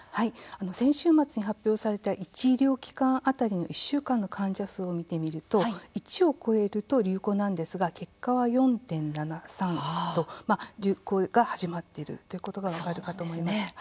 先週末に発表された１医療機関当たりの１週間の患者数を見てみると１を超えると流行なんですが結果は４．７３と流行が始まっているということが分かるかと思います。